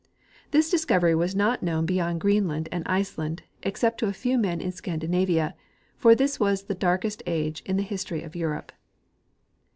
This discovery was not known beyond Greenland and Iceland except to a few men in Scandinavia, for this was the darkest age in the history of Europe.